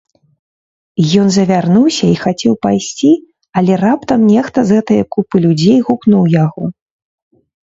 Ён завярнуўся і хацеў пайсці, але раптам нехта з гэтае купы людзей гукнуў яго.